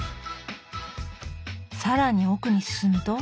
さらに奥に進むと。